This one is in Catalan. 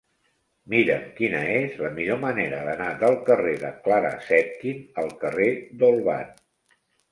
Mira'm quina és la millor manera d'anar del carrer de Clara Zetkin al carrer d'Olvan.